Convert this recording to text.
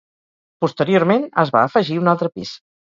Posteriorment es va afegir un altre pis.